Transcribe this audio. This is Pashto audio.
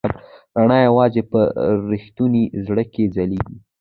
رڼا یواځې په رښتوني زړه کې ځلېږي.